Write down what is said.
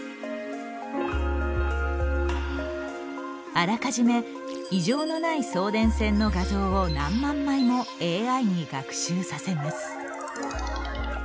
あらかじめ異常のない送電線の画像を何万枚もＡＩに学習させます。